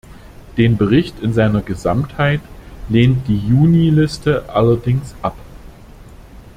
Den Bericht in seiner Gesamtheit lehnt die Juniliste allerdings ab.